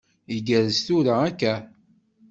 Igerrez tura akka?